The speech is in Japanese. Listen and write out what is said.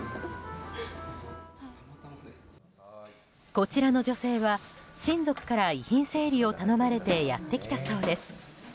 こちらの女性は、親族から遺品整理を頼まれてやってきたそうです。